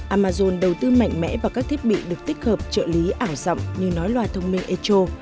amazon đầu tư mạnh mẽ vào các thiết bị được tích hợp trợ lý ảo dọng như nói loài thông minh echo